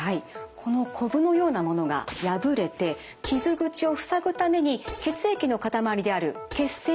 このこぶのようなものが破れて傷口を塞ぐために血液の塊である血栓ができます。